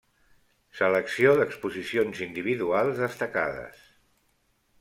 Selecció d'exposicions individuals destacades.